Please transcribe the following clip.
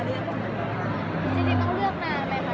จริงนี่ต้องไปคุยบ้านเลยค่ะ